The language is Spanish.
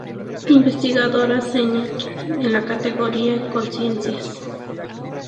Investigadora Senior en la categoría Colciencias.